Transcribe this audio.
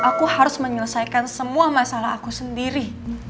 aku harus menyelesaikan semua masalah aku sendiri